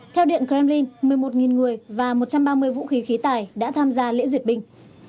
theo điện kremlin một mươi một người và một trăm ba mươi vũ khí khí tài đã tham gia lễ duyệt binh